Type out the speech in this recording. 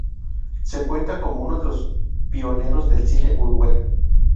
Se cuenta como uno de los pioneros del cine uruguayo.